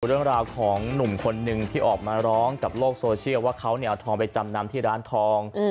เรื่องราวของหนุ่มคนหนึ่งที่ออกมาร้องกับโลกโซเชียลว่าเขาเอาทองไปจำนำที่ร้านทอง